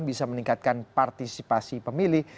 bisa meningkatkan partisipasi pemilih